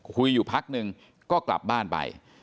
คุยอยู่พักนึงก็กลับบ้านไป